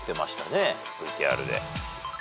ＶＴＲで。